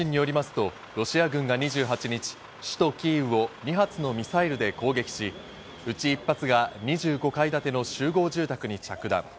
ロイター通信によりますとロシア軍が２８日、首都キーウを２発のミサイルで攻撃し、うち１発が２５階建ての集合住宅に着弾。